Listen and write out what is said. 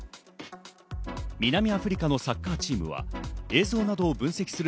南アフリカのサッカーチームは映像などを分析する